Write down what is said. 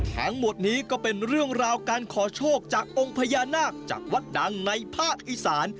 ทั้งหมดนี้ก็เป็นเรื่องราวการขอโชคจากองค์พญานาคจากวัดดังในภาคอีสาน